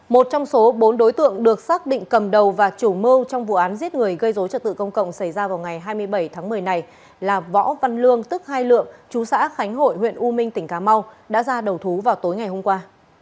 một trong số bốn đối tượng được xác định cầm đầu và chủ mưu trong vụ án giết người gây dối trật tự công cộng xảy ra vào ngày hai mươi bảy tháng một mươi này là võ văn lương tức hai lượng chú xã khánh hội huyện u minh tỉnh cà mau đã ra đầu thú vào tối ngày hôm qua